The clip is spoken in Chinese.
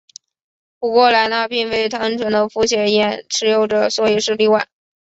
不过莱纳并非单纯的复写眼持有者所以是例外。